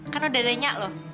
kan udah udahnya lo